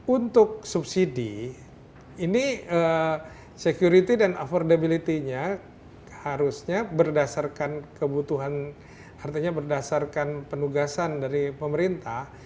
untuk subsidi ini security dan affordability nya harusnya berdasarkan kebutuhan artinya berdasarkan penugasan dari pemerintah